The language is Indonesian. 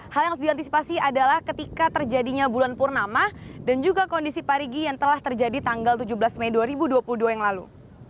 hal yang harus diantisipasi adalah ketika terjadinya bulan purnama dan juga kondisi parigi yang telah terjadi tanggal tujuh belas mei dua ribu dua puluh dua yang lalu